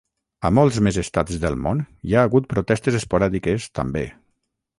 A molts més estats del món hi ha hagut protestes esporàdiques, també.